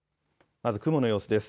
まず雲の様子です。